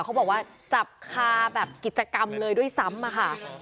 เขาบอกว่าจับคาแบบกิจกรรมเลยด้วยซ้ำอะค่ะ